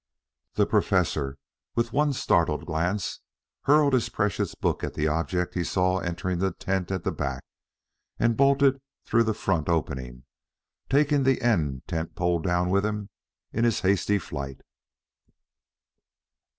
The Professor with one startled glance, hurled his precious book at the object he saw entering the tent at the back, and bolted through the front opening, taking the end tent pole down with him in his hasty flight.